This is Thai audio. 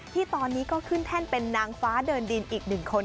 ที่ตอนนี้ก็ขึ้นแท่นเป็นนางฟ้าเดินดินอีกหนึ่งคน